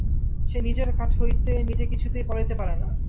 সে নিজের কাছ হইতে নিজে কিছুতেই পলাইতে পারে না।